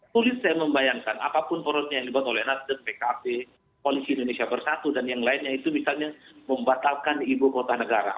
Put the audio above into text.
sulit saya membayangkan apapun porosnya yang dibuat oleh nasdem pkb koalisi indonesia bersatu dan yang lainnya itu misalnya membatalkan ibu kota negara